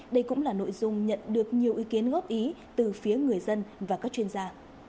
đây cũng là nội dung nhận được nhiều ý kiến góp ý từ phía người dân và các chuyên gia